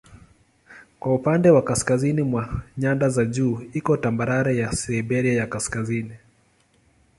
Kwa upande wa kaskazini mwa nyanda za juu iko tambarare ya Siberia ya Kaskazini.